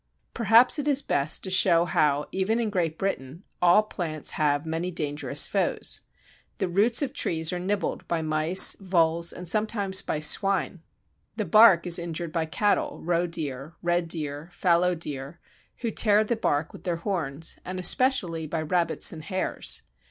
Perhaps it is best to show how, even in Great Britain, all plants have many dangerous foes. The roots of trees are nibbled by mice, voles, and sometimes by swine. The bark is injured by cattle, roedeer, reddeer, fallowdeer, who tear the bark with their horns, and especially by rabbits and hares.